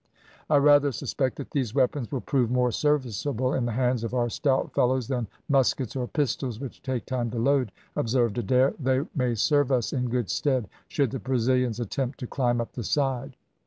"I rather suspect that these weapons will prove more serviceable in the hands of our stout fellows than muskets or pistols, which take time to load," observed Adair. "They may serve us in good stead, should the Brazilians attempt to climb up the side."